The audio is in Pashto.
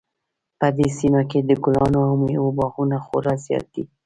په دې سیمه کې د ګلانو او میوو باغونه خورا زیات دي